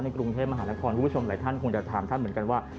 กรุงเทพมหานครคุณผู้ชมหลายท่านคงจะถามท่านเหมือนกันว่า